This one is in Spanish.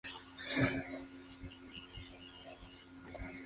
Totalmente consternado por este rechazo, Molina Ureña renunció.